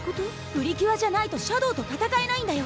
プリキュアじゃないとシャドウと戦えないんだよ。